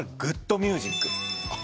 グッドミュージック？